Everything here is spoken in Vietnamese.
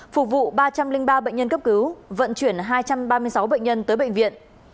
phục vụ ba trăm linh ba bệnh nhân cấp cứu vận chuyển hai trăm ba mươi sáu bệnh nhân tới bệnh viện